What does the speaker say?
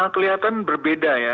kelihatan berbeda ya